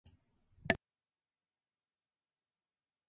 ルイボスティー